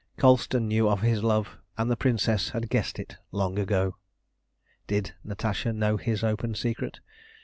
Colston knew of his love, and the Princess had guessed it long ago. Did Natasha know his open secret?